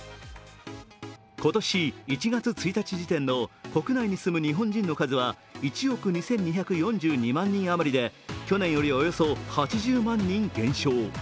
今年１月１日時点の国内に住む日本人の数は１億２２４２万人余りで去年よりおよそ８０万人減少。